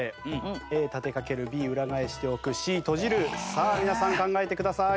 さあ皆さん考えてください。